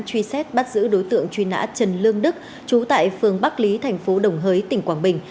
truy xét bắt giữ đối tượng truy nã trần lương đức trú tại phường bắc lý thành phố đồng hới tỉnh quảng bình